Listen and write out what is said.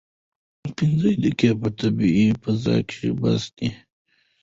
پنځه دقیقې په طبیعي فضا کې بس دي.